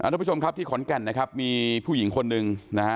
ทุกผู้ชมครับที่ขอนแก่นนะครับมีผู้หญิงคนหนึ่งนะฮะ